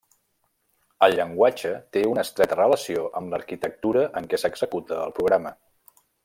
El llenguatge té una estreta relació amb l'arquitectura en què s'executa el programa.